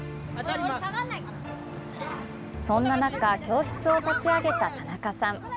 そんな中教室を立ち上げた田中さん。